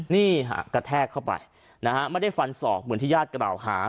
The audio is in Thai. นี่ฮะกระแทกเข้าไปนะฮะไม่ได้ฟันศอกเหมือนที่ญาติกล่าวหา